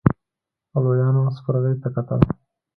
لويانو سپرغې ته کتل.